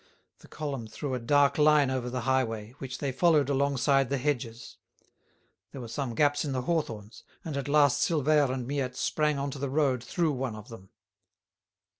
The column threw a dark line over the highway, which they followed alongside the hedges. There were some gaps in the hawthorns, and at last Silvère and Miette sprang on to the road through one of them.